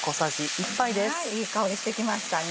いい香りしてきましたね。